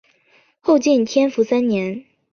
后晋天福三年。